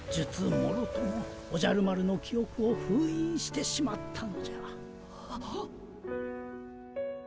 もろともおじゃる丸の記おくをふういんしてしまったのじゃ。